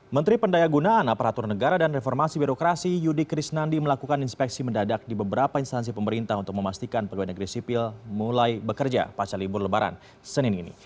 menteri pendaya gunaan aparatur negara dan reformasi birokrasi yudi krisnandi melakukan inspeksi mendadak di beberapa instansi pemerintah untuk memastikan pegawai negeri sipil mulai bekerja pasca libur lebaran senin ini